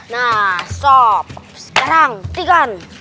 nah sob sekarang tigaan